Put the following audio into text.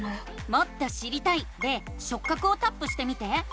「もっと知りたい」で「しょっ角」をタップしてみて。